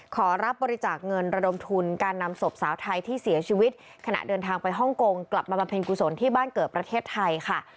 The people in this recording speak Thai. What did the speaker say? ขอรับบริจาคเงินระดมทุนการนำศพสาวไทยที่เสียชีวิตขณะเดินทางไปฮ่องกงกลับมาบำเพ็ญกุศลที่บ้านเกิดประเทศไทยค่ะ